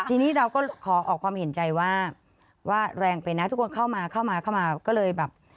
ทีนี้เราก็ขอออกความเห็นใจว่าว่าแรงไปนะทุกคนเข้ามาเข้ามาก็เลยแบบ